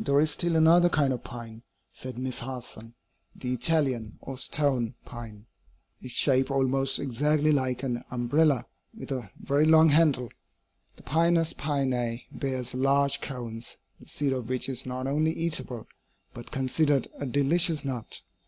"There is still another kind of pine," said Miss Harson "the Italian, or stone, pine. It is shaped almost exactly like an umbrella with a very long handle. The Pinus pinea bears large cones, the seed of which is not only eatable, but considered a delicious nut.